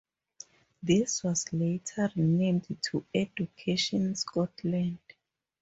This was later renamed to Education Scotland.